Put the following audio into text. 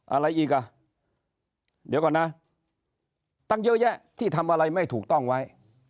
อะไรอีกอ่ะเดี๋ยวก่อนนะตั้งเยอะแยะที่ทำอะไรไม่ถูกต้องไว้